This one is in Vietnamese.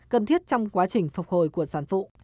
cần thiết trong quá trình phục hồi của sản phụ